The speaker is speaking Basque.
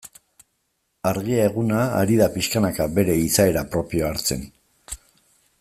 Argia eguna ari da pixkanaka bere izaera propioa hartzen.